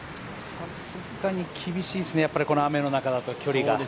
さすがに厳しいですね、この雨の中だと、距離が。